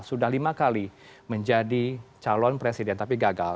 sudah lima kali menjadi calon presiden tapi gagal